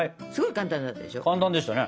簡単でしたね。